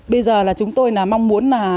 bây giờ chúng tôi mong muốn